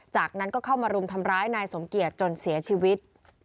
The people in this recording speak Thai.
จากนั้นก็เข้ามารุมทำร้ายนายสมเกียจจนเสียชีวิต